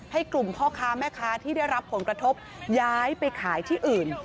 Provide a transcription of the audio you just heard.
ให้กลุ่มพ่อค้าแม่ค้าที่ได้รับผลกระทบย้ายไปขายที่อื่น